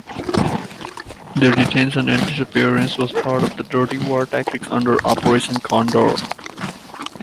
Their detention and disappearance was part of the Dirty War tactics under "Operation Condor".